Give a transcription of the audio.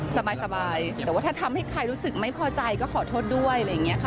สบายแต่ว่าถ้าทำให้ใครรู้สึกไม่พอใจก็ขอโทษด้วยอะไรอย่างนี้ค่ะ